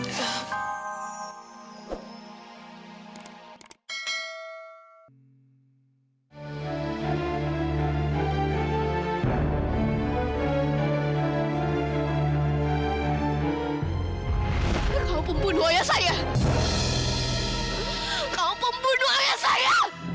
kau pembunuh ayah saya